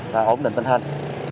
và ổn định tình hình